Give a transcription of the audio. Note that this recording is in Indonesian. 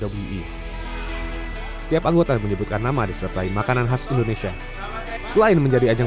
setiap anggota menyebutkan nama disertai makanan khas indonesia selain menjadi ajang